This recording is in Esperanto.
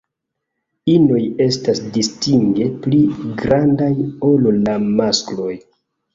Inoj estas distinge pli grandaj ol la maskloj.